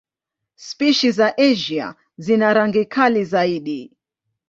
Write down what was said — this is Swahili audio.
Spishi za Asia zina rangi kali zaidi.